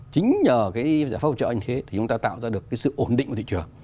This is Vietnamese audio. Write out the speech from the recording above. chính nhờ cái giải pháp hỗ trợ như thế thì chúng ta tạo ra được cái sự ổn định của thị trường